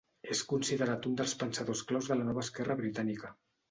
És considerat un dels pensadors claus de la Nova Esquerra britànica.